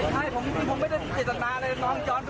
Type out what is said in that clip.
ไม่ใช่ผมไม่ได้มีเจตนาเลยซ้